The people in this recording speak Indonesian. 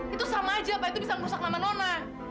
itu sama aja pak itu bisa merusak nama nona